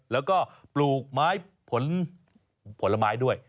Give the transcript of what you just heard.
แล้วก็ปลูกไม้ผลไม้ด้วย